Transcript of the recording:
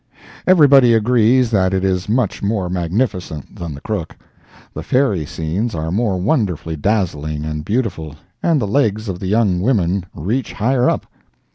Everybody agrees that it is much more magnificent than the Crook. The fairy scenes are more wonderfully dazzling and beautiful, and the legs of the young women reach higher up.